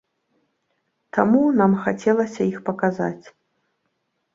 Таму, нам хацелася іх паказаць.